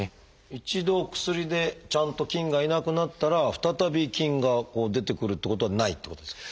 一度薬でちゃんと菌がいなくなったら再び菌が出てくるってことはないってことですか？